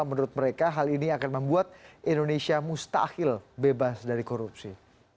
menurut mereka hal ini akan membuat indonesia mustahil bebas dari korupsi